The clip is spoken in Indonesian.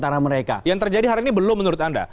tanah mereka yang terjadi hari ini belum menurut anda